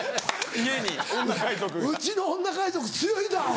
うちの女海賊強いぞアホ。